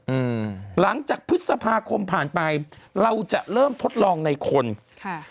อืมหลังจากพฤษภาคมผ่านไปเราจะเริ่มทดลองในคนค่ะ